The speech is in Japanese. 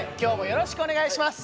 よろしくお願いします。